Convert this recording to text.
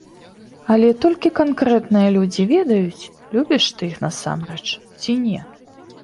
Але толькі канкрэтныя людзі ведаюць, любіш ты іх насамрэч ці не.